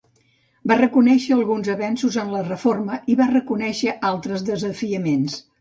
Va reconèixer alguns avenços en la reforma i va reconèixer altres desafiaments.